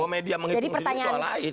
bahwa media menghitung isu soal lain